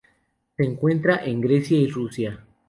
Se encuentra en Grecia y Rusia.